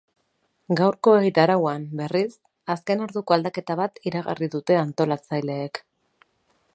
Gaurko egitarauan, berriz, azken orduko aldaketa bat iragarri dute antolatzaileek.